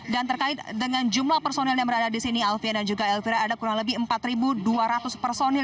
dan terkait dengan jumlah personil yang berada di sini alfian dan juga elvira ada kurang lebih empat ribu dua ratus personil